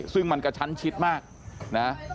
ซึ่งมันกระชั้นชิดมากนะ